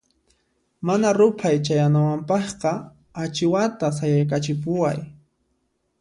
Mana ruphay chayanawanpaqqa achiwata sayaykachipuway.